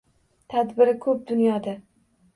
Tadbiri ko’p dunyoda.